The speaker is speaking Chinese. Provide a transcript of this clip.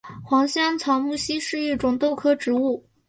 黄香草木樨是一种豆科植物。